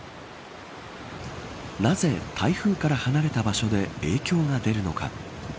なぜ台風から離れた場所で影響が出るのか。